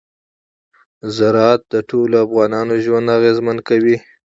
زراعت د ټولو افغانانو ژوند اغېزمن کوي.